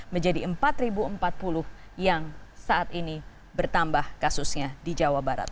menjadi empat empat puluh yang saat ini bertambah kasusnya di jawa barat